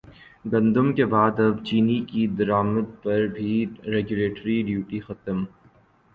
گندم کے بعد اب چینی کی درامد پر بھی ریگولیٹری ڈیوٹی ختم